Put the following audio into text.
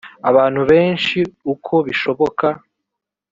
abantu benshi uko bishoboka